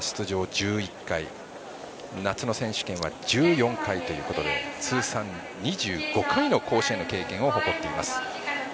１１回夏の選手権は１４回ということで通算２５回の甲子園の経験を誇っています。